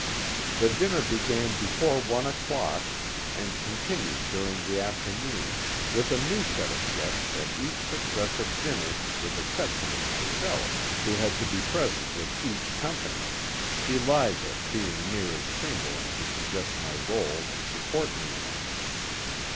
The din ner began before one o'clock and continued during the after noon, with a new set of guests at each successive dinner with exception of myself, who had to be present with each com pany, — Eliza being near as chamberlain to suggest my role and support me in it.